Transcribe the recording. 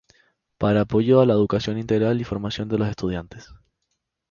Para apoyo a la educación integral y formación de los estudiantes.